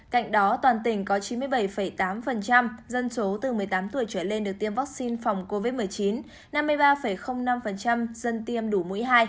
cạnh đó toàn tỉnh có chín mươi bảy tám dân số từ một mươi tám tuổi trở lên được tiêm vaccine phòng covid một mươi chín năm mươi ba năm dân tiêm đủ mũi hai